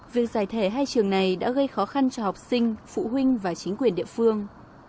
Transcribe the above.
việc giải thể hai trường này đã gây khó khăn cho học sinh phụ huynh và chính quyền địa phương